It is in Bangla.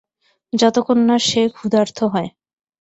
যতক্ষণ না সে ক্ষুধার্ত হয়।